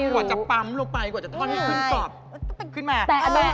กว่าจะปั๊มลงไปกว่าจะทอดให้ขึ้นกรอบ